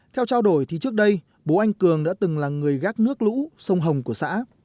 theo trao đổi thì trước đây bố anh cường đã từng là người gác nước lũ sông hồng của xã